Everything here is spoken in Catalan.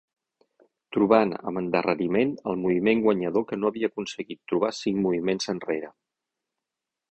Trobant, amb endarreriment, el moviment guanyador que no havia aconseguit trobar cinc moviments enrere.